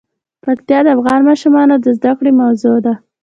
پکتیا د افغان ماشومانو د زده کړې موضوع ده.